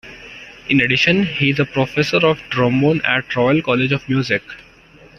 In addition he is Professor of Trombone at the Royal College of Music.